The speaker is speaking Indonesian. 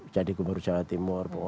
jadi gubernur jawa timur